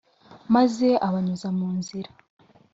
Maze abanyuza mu nzira